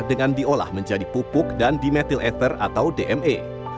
dengan diolah menjadi pupuk dan dimetil ether atau dme